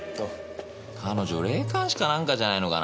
彼女霊感師かなんかじゃないのかな。